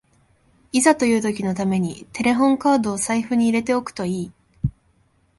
いざという時のためにテレホンカードを財布に入れておくといい